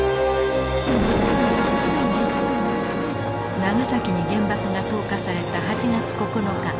長崎に原爆が投下された８月９日。